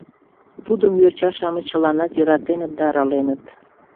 Тудым йоча-шамыч чыланат йӧратеныт да араленыт.